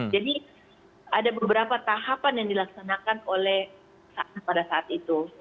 ada beberapa tahapan yang dilaksanakan oleh pada saat itu